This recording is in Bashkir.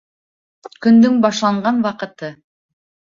Көндөң башланған ваҡыты.